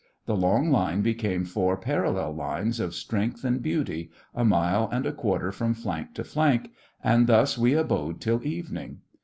The long line became four parallel lines of strength and beauty, a mile and a quarter from flank to flank, and thus we abode till evening.